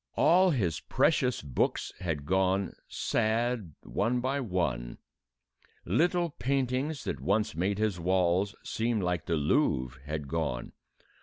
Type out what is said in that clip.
All his precious books had gone, sad one by one. Little paintings that once made his walls seem like the Louvre had gone.